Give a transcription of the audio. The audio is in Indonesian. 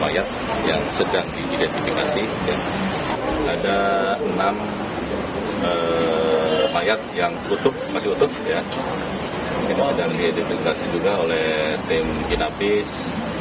insiden ini dimelibatkan juga oleh tim kinapis